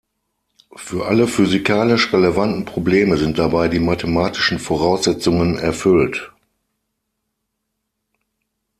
Für alle physikalisch relevanten Probleme sind dabei die mathematischen Voraussetzungen erfüllt.